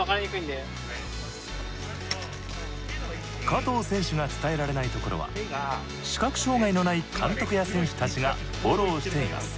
加藤選手が伝えられないところは視覚障害のない監督や選手たちがフォローしています。